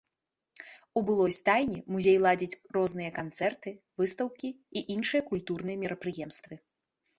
У былой стайні музей ладзіць розныя канцэрты, выстаўкі і іншыя культурныя мерапрыемствы.